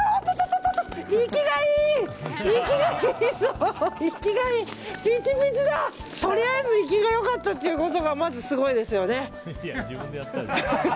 とりあえず生きが良かったということがまず、すごいですよね。